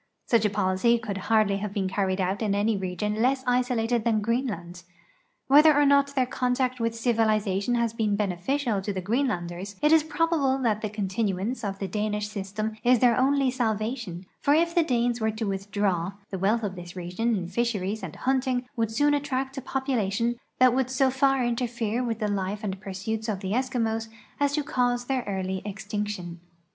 Such a policy could hardl}^ have been carried out in any region less isolated than Greenland. Whether or not their contact with civilization has been beneficial to the Greenlanders, it is probable that the continuance of the Danish system is their only salvation, for if the Danes were to withdraw, the wealth of this region in fisheries and hunting would soon attract a population that would so far interfere with the life and pursuits of the Eskimos as to cause their early extinction.